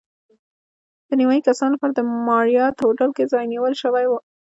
د نیمایي کسانو لپاره د ماریاټ هوټل کې ځای نیول شوی و.